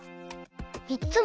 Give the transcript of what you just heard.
みっつも？